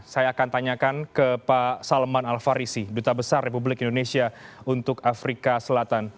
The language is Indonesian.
saya akan tanyakan ke pak salman al farisi duta besar republik indonesia untuk afrika selatan